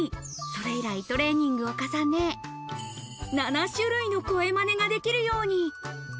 それ以来、トレーニングを重ね、７種類の声マネができるように。